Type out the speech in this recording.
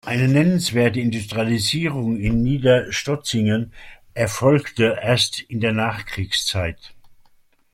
Eine nennenswerte Industrialisierung in Niederstotzingen erfolgte erst in der Nachkriegszeit.